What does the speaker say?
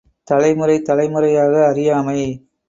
தலைமுறை தலைமுறையாக அறியாமை.